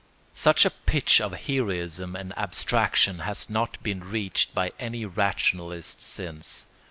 Such a pitch of heroism and abstraction has not been reached by any rationalist since.